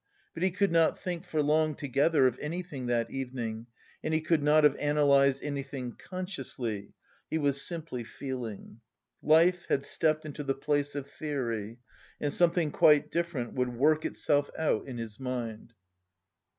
But he could not think for long together of anything that evening, and he could not have analysed anything consciously; he was simply feeling. Life had stepped into the place of theory and something quite different would work itself out in his mind.